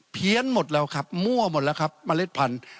หมดแล้วครับมั่วหมดแล้วครับเมล็ดพันธุ